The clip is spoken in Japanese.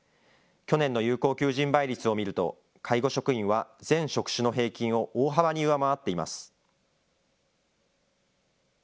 去年の有効求人倍率を見ると、介護職員は全職種の平均を大幅に上回っています。